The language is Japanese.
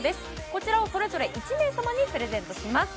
こちらをそれぞれ１名様にプレゼントします。